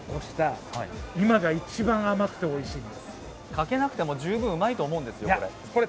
かけなくても十分うまいと思うんですよ、これ。